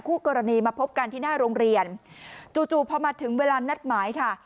คู่กรณีมาพบกันที่หน้าโรงเรียนจู่จู่พอมาถึงเวลานัดหมายค่ะ